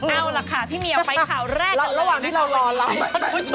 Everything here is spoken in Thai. เอาละค่ะพี่เมียไปข่าวแรกก่อนระหว่างที่เรารอรับ